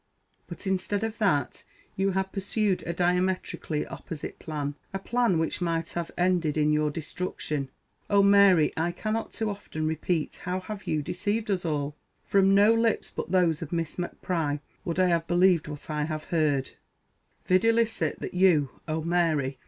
But, instead of that, you have pursued a diametrically opposite plan: a plan which might have ended in your destruction! Oh, Mary, I cannot too _often _repeat, how have you deceived us all!!! From no _lips _but those of Miss M'Pry would I have believed what I have heard, videlicet, that you (oh, Mary!)